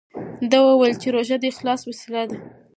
ده وویل چې روژه د اخلاص وسیله ده.